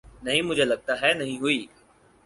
نہیں مجھےلگتا ہے نہیں ہوئی